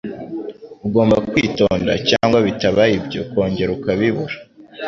Ugomba kwitonda cyangwa bitabaye ibyo ukongera ukabibura